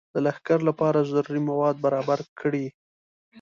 د لښکر لپاره ضروري مواد برابر کړي.